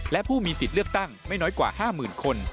และผู้มีสิทธิ์เลือกตั้งไม่น้อยกว่า๕๐๐๐คน